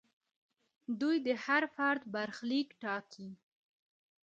دوی د هر فرد برخلیک ټاکي.